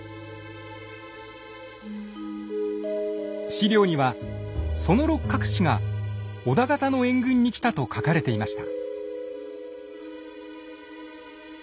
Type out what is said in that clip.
史料にはその六角氏が織田方の援軍に来たと書かれていました。